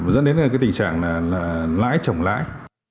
dẫn đến tình trạng là lái trồng lái